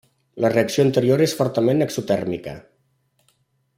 La reacció anterior és fortament exotèrmica.